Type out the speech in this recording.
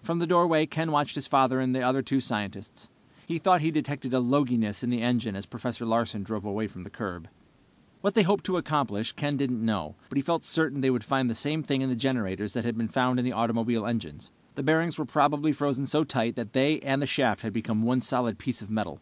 From the doorway Ken watched his father and the other two scientists. He thought he detected a loginess in the engine as Professor Larsen drove away from the curb. What they hoped to accomplish, Ken didn't know, but he felt certain they would find the same thing in the generators that had been found in the automobile engines. The bearings were probably frozen so tight that they and the shaft had become one solid piece of metal.